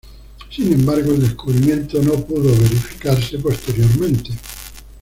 Sin embargo, el descubrimiento no pudo verificarse posteriormente.